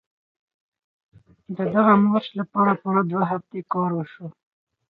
د دغه مارش لپاره پوره دوه هفتې کار وشو.